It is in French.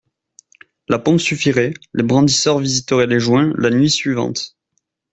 La pompe suffirait, les brandisseurs visiteraient les joints, la nuit suivante.